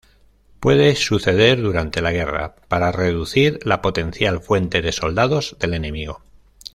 Puede suceder durante la guerra, para reducir la potencial fuente de soldados del enemigo.